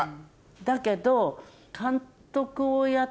だけど。